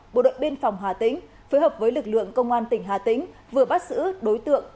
bộ đội biên phòng hà tĩnh phối hợp với lực lượng công an tỉnh hà tĩnh vừa bắt giữ đối tượng